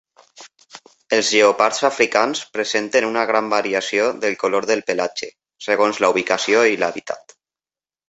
Els lleopards africans presenten una gran variació del color del pelatge, segons la ubicació i l'hàbitat.